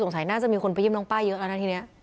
น่าจะมีคนไปเยี่ยมน้องป้าเยอะแล้วนะทีนี้